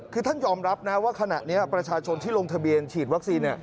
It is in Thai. คือท่านยอมรับนะว่าขณะนี้ประชาชนที่ลงทะเบียนฉีดวัคซีน